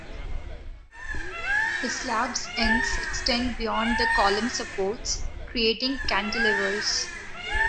The slabs' ends extend beyond the column supports, creating cantilevers.